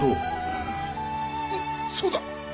あっそうだ！